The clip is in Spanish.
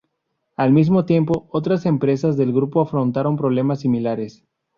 Al mismo tiempo, otras empresas del grupo afrontaron problemas similares.